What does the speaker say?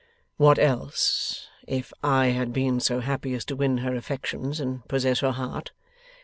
'What else, if I had been so happy as to win her affections and possess her heart?